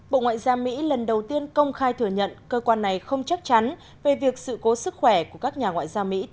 bộ ngoại giao mỹ lần đầu tiên công khai thừa nhận cơ quan này không chắc chắn về việc sự cố sức khỏe của các nhà ngoại giao mỹ tại